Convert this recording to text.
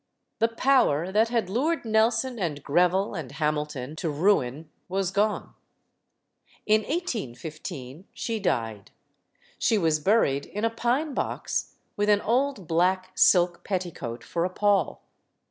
The power that had lured Nelson and Greville and Hamilton to ruin was gone. In 1815 she died. Sh*? was buried in a pine box, LADY HAMILTON 271 with an old black silk petticoat for a pall.